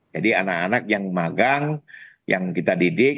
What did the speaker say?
jadi anak anak yang magang yang kita didik